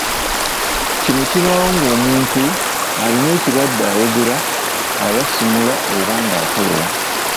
Kino kibaawo ng’omuntu omuntu alina ekirwadde ayogera, ayasimula oba ng’akolola.